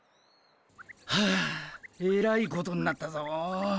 はあえらいことになったぞ。